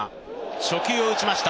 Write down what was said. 初球を打ちました。